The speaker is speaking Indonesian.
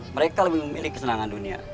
mereka lebih memilih kesenangan dunia